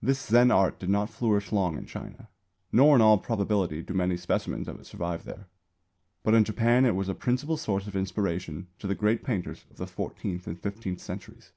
This Zen art did not flourish long in China, nor in all probability do many specimens of it survive there. But in Japan it was a principal source of inspiration to the great painters of the fourteenth and fifteenth centuries.